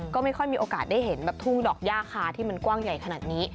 ก็ไม่ค่อยมีโอกาสได้เห็นแบบทุ่งดอกย่าคาที่มันกว้างใหญ่ขนาดนี้